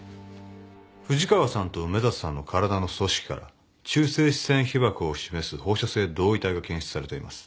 藤川さんと梅里さんの体の組織から中性子線被ばくを示す放射性同位体が検出されています。